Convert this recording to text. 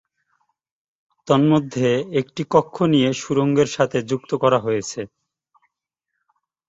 তন্মধ্যে একটি কক্ষ দিয়ে সুড়ঙ্গের সাথে যুক্ত করা হয়েছে।